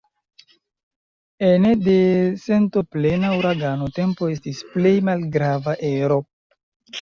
Ene de sentoplena uragano tempo estis plej malgrava ero.